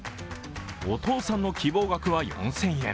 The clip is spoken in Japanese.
お父さんの希望額は４０００円。